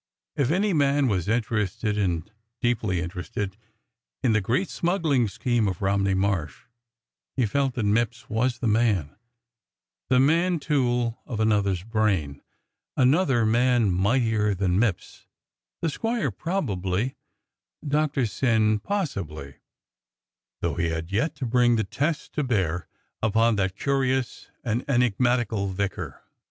If any man was interested and deeply interested in the great smuggling scheme of Romney Marsh he felt that Mipps was the man, the man tool of another's brain, another man mightier than Mipps — the squire probably, Doctor THE SEXTON SPEAKS 189 Syn possibly, though he had yet to bring the test to bear upon that curious and enigmatical vicar.